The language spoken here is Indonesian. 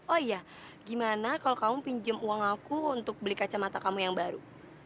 oh iya gimana kalau kamu pinjam uang aku untuk beli kacamata kamu yang baru